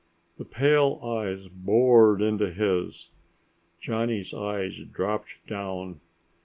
The pale eyes bored into his. Johnny's eyes dropped down.